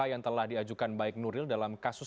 yang telah diajukan baik nuril dalam kasus